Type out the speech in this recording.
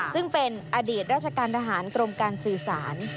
ซึ่งเป็นอดีตราชการทหารกรมการสื่อสาร